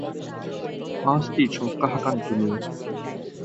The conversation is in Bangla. পাঁচটি ছক্কা হাঁকান তিনি।